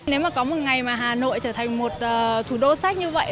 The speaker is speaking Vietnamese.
nếu mà có một ngày mà hà nội trở thành một thủ đô sách như vậy